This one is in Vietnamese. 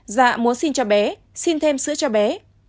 dạ muốn xin cho bé xin thêm sữa cho bé